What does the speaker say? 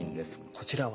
こちらは？